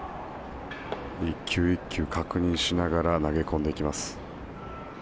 １球１球確認しながら投げ込んでいきます。